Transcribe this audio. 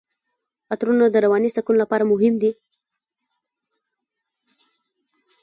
عطرونه د رواني سکون لپاره مهم دي.